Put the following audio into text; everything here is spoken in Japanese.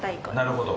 なるほど。